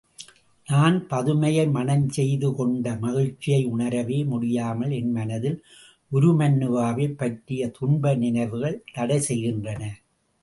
நான் பதுமையை மணஞ் செய்துகொண்ட மகிழ்ச்சியை உணரவே முடியாமல், என் மனத்தில் உருமண்ணுவாவைப் பற்றிய துன்பநினைவுகள் தடை செய்கின்றன.